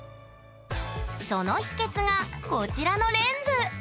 その秘けつがこちらのレンズ！